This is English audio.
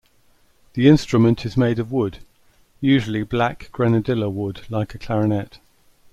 The instrument is made of wood, usually black grenadilla wood like a clarinet.